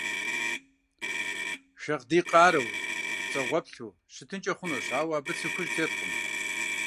Шагъдий къарэу, пцӀэгъуэплъу щытынкӏэ хъунущ, ауэ абы цы хужь теткъым.